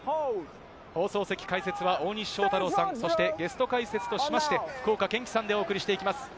放送席、解説は大西将太郎さん、そしてゲスト解説としまして福岡堅樹さんでお送りします。